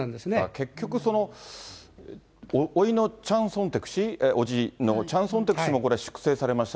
結局、おいのチャン・ソンテク氏、伯父のチャン・ソンテク氏も粛清されました。